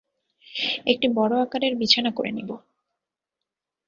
একটি বড় আকারের বিছানা করে নিবো।